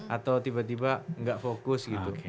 atau tiba tiba gak fokus